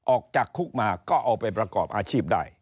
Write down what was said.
ออกจากคุกมาก็เอาไปประกอบอาชีพได้